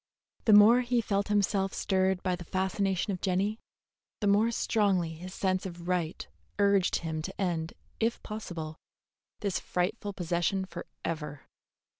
The more he felt himself stirred by the fascination of Jenny, the more strongly his sense of right urged him to end, if possible, this frightful possession forever.